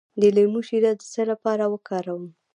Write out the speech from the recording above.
د لیمو شیره د څه لپاره وکاروم؟